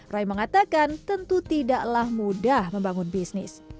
roy mengatakan tentu tidaklah mudah membangun bisnis